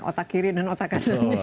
otak kiri dan otak asuhnya